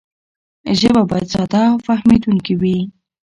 ژبه باید ساده او فهمېدونکې وي.